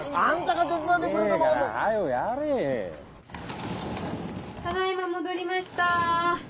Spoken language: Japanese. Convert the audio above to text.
ただ今戻りました。